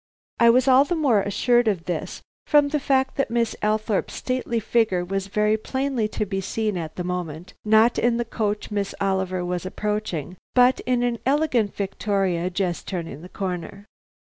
I was all the more assured of this from the fact that Miss Althorpe's stately figure was very plainly to be seen at that moment, not in the coach Miss Oliver was approaching, but in an elegant victoria just turning the corner.